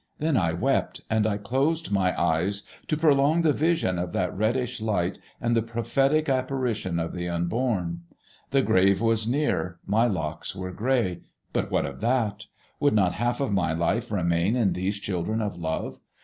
Then I wept, and I closed my eyes to prolong the vision of that reddish light and the prophetic apparition of the unborn. The grave was near; my locks were gray. But what of that? Would not half of my life remain in these children of love?